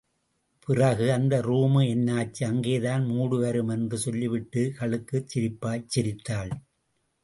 பிறகு, அந்த ரூமு என்னாச்சு, அங்கேதான் மூடு வரும்... என்று சொல்லிவிட்டு களுக்கு சிரிப்பாய் சிரித்தாள்.